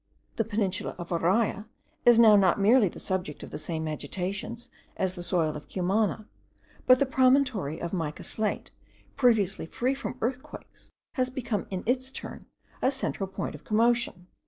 The peninsula of Araya is now not merely subject to the same agitations as the soil of Cumana, but the promontory of mica slate, previously free from earthquakes, has become in its turn a central point of commotion.